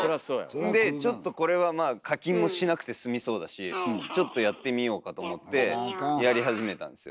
でちょっとこれは課金もしなくて済みそうだしちょっとやってみようかと思ってやり始めたんですよ。